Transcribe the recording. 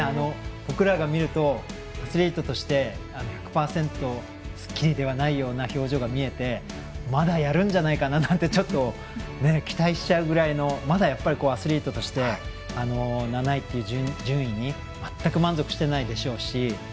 僕らが見ると、アスリートとして１００％すっきりではないような表情が見えてまだやるんじゃないかななんてちょっと期待しちゃうぐらいのまだやっぱりアスリートとして７位という順位に全く満足してないでしょうし。